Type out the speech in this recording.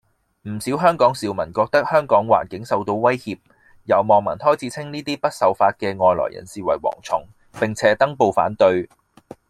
唔少香港少民覺得生活環境受到威脅，有網民開始稱呢啲唔受法嘅外來人士為蝗蟲，並且登報反對